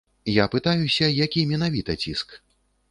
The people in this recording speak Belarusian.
Я пытаюся, які менавіта ціск.